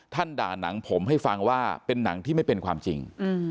ด่านังผมให้ฟังว่าเป็นหนังที่ไม่เป็นความจริง